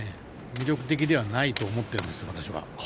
魅力的ではないと思っているんです、私は。